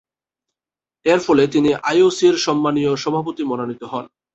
এরফলে তিনি আইওসি’র সম্মানীয় সভাপতি মনোনীত হন।